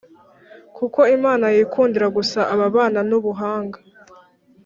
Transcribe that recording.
kuko Imana yikundira gusa ababana n’Ubuhanga.